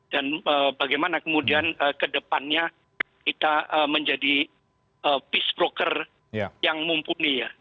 dan bagaimana kemudian ke depannya kita menjadi peace broker yang mumpuni